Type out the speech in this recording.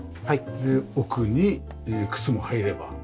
で奥に靴も入れば。